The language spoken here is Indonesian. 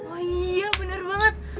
oh iya bener banget